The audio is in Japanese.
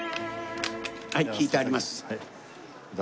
はい引いてあります。